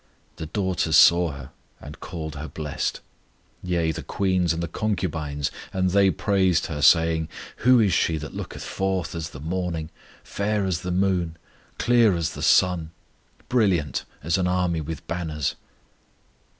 The daughters saw her, and called her blessed; Yea, the queens and the concubines, and they praised her, saying, Who is she that looketh forth as the morning, Fair as the moon, Clear as the sun, Brilliant as an army with banners?